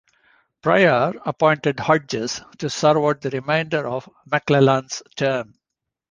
Pryor appointed Hodges to serve out the remainder of McClellan's term.